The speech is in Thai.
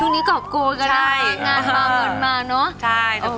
งานมาเงินมาเนอะ